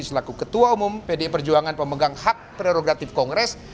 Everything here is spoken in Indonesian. selaku ketua umum pdi perjuangan pemegang hak prerogatif kongres